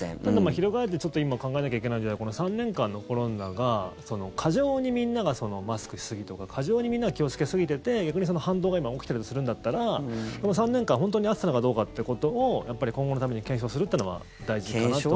翻って今、考えなきゃいけないのは３年間のコロナが過剰にみんながマスクしすぎとか過剰にみんなが気をつけすぎてて逆にその反動が今、起きてるとするんだったら３年間本当に合ってたのかどうかということを今後のために検証するというのは大事かなとは思います。